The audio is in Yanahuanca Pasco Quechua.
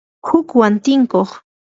hukwan tinkuq